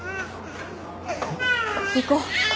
行こう。